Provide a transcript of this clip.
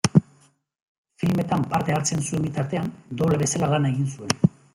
Filmetan parte hartzen zuen bitartean, doble bezala lan egin zuen.